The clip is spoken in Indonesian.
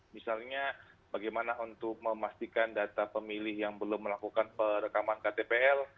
misalnya bagaimana untuk memastikan data pemilih yang belum melakukan perekaman ktpl